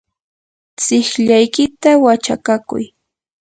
tsiqllaykita wachakakuy.